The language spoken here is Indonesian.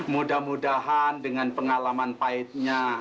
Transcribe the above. mudah mudahan dengan pengalaman pahitnya